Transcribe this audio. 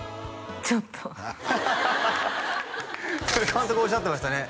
ちょっとそれ監督おっしゃってましたね